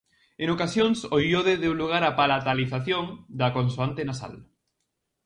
En ocasións o iode deu lugar á palatalización da consoante nasal.